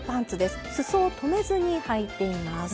すそを留めずにはいています。